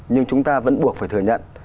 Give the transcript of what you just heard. nhưng chúng ta vẫn buộc phải thừa nhận